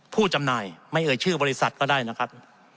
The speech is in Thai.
จำหน่ายไม่เอ่ยชื่อบริษัทก็ได้นะครับ